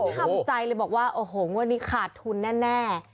ทำใจเลยบอกว่าโอ้โหงวดนี้ขาดทุนแน่